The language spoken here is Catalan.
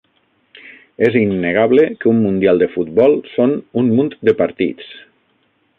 És innegable que un Mundial de futbol són un munt de partits.